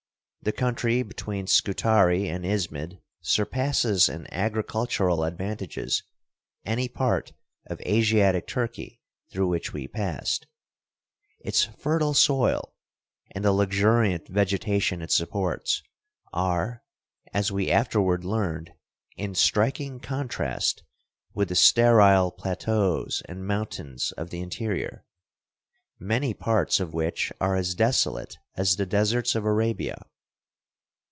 The country between Scutari and Ismid surpasses in agricultural advantages any part of Asiatic Turkey through which we passed. Its fertile soil, and the luxuriant vegetation it supports, are, as we afterward learned, in striking contrast with the sterile plateaus and mountains of the interior, many parts of which are as desolate as the deserts of Arabia.